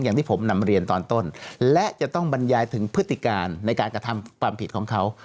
อย่างที่ผมนำเรียนตอนต้นและจะต้องบรรยายถึงพฤติการในการกระทำความผิดของเขา